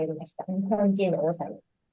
日本人の多さに。